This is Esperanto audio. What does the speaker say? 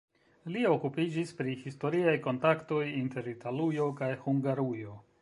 Li okupiĝis pri historiaj kontaktoj inter Italujo kaj Hungarujo.